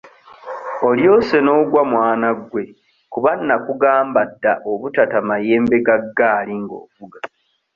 Olyose n'ogwa mwana gwe kuba nnakugamba dda obutata mayembe ga ggaali ng'ovuga.